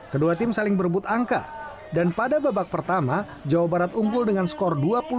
kedua tim saling berebut angka dan pada babak pertama jawa barat unggul dengan skor dua puluh satu